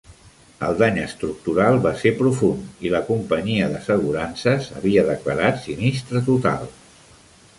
El dany estructural va ser profund, i la companyia d'assegurances havia declarat sinistre total.